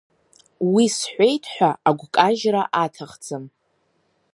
Уи сҳәеит ҳәа агәкажьра аҭахӡам.